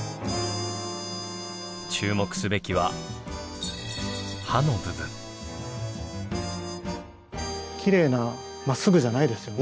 注目すべきはきれいなまっすぐじゃないですよね。